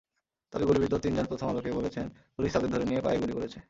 তবে গুলিবিদ্ধ তিনজন প্রথম আলোকে বলেছেন, পুলিশ তাঁদের ধরে নিয়ে পায়ে গুলি করেছে।